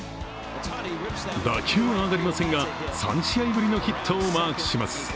打球は上がりませんが３試合ぶりのヒットをマークします。